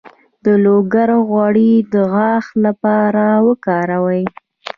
د لونګ غوړي د غاښ لپاره وکاروئ